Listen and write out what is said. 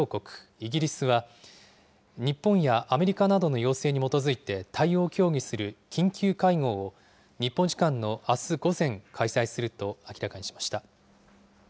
イギリスは、日本やアメリカなどの要請に基づいて対応を協議する緊急会合を、日本時間のあす午前、開催すると明らかにしました。